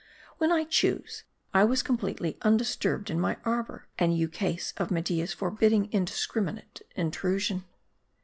When I chose, I was completely undisturbed in my arbor ; an ukase of Media's forbidding indiscriminate intru sion.